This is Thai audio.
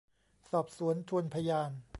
สอบสวนทวนพยาน